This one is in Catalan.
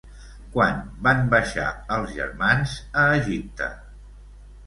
Quan van baixar els germans a Egipte?